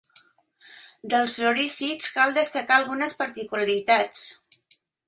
Dels lorísids cal destacar algunes particularitats.